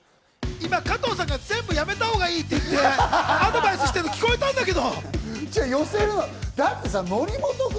今、加藤さんが全部やめたほうがいいって言ってアドバイスしてるの聞こえたんだけど！